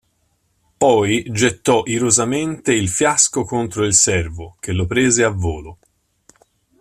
Poi gettò irosamente il fiasco contro il servo, che lo prese a volo.